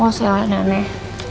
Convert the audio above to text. mau selalu ada aneh